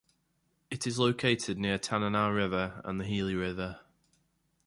It is located near Tanana River, and the Healy River.